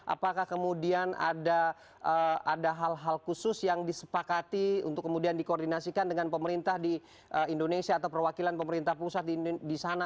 apakah kemudian ada hal hal khusus yang disepakati untuk kemudian dikoordinasikan dengan pemerintah di indonesia atau perwakilan pemerintah pusat di sana